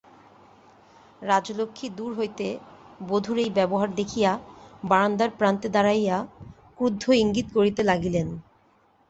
রাজলক্ষ্মী দূর হইতে বধূর এই ব্যবহার দেখিয়া বারান্দার প্রান্তে দাঁড়াইয়া ক্রুদ্ধ ইঙ্গিত করিতে লাগিলেন।